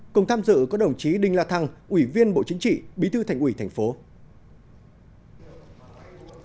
cùng tham dự có đồng chí đinh la thăng ủy viên bộ chính trị bí thư thành ủy thành phố